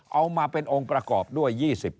เอามาเป็นองค์ประกอบด้วย๒๐